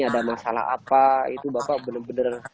ada masalah apa itu bapak benar benar